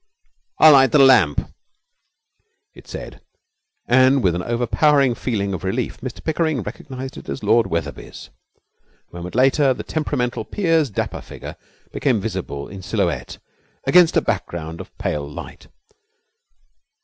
'I'll light the lamp,' it said; and with an overpowering feeling of relief Mr Pickering recognized it as Lord Wetherby's. A moment later the temperamental peer's dapper figure became visible in silhouette against a background of pale light.